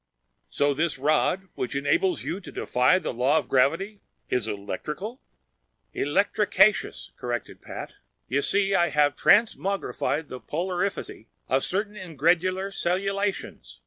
"So this rod, which enables you to defy the law of gravity, is electrical?" "Electricaceous," corrected Pat. "You see, I have transmogrified the polarifity of certain ingredular cellulations.